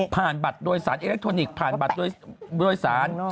บัตรโดยสารอิเล็กทรอนิกส์ผ่านบัตรโดยสาร